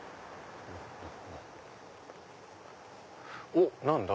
おっ何だ？